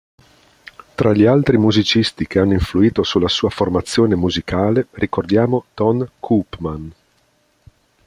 Tra gli altri musicisti che hanno influito sulla sua formazione musicale, ricordiamo Ton Koopman.